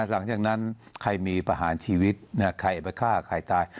หลังจากนั้นใครมีประหารชีวิตใครไปฆ่าใครตาย